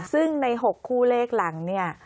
ซึ่งใน๖คู่เลขหลังเนี่ย